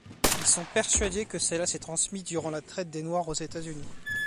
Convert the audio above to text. Ils sont persuadés que cela s'est transmis durant la traite des noirs aux États-Unis.